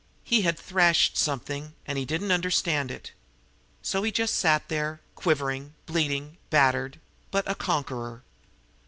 He had thrashed something, and he didn't understand it. So he just sat there, quivering, bleeding, battered but a conqueror.